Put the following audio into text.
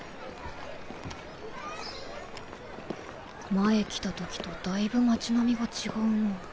前来た時とだいぶ町並みが違うな